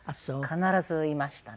必ずいましたね。